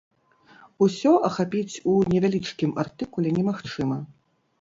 Усё ахапіць у невялічкім артыкуле немагчыма.